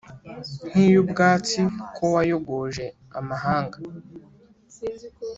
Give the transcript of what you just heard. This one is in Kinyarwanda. nkuyubwatsi ko wayogoje amahanga,